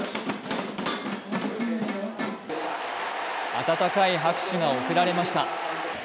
温かい拍手が送られました。